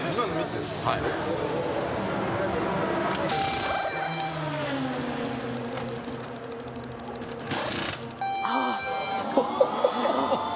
すごい。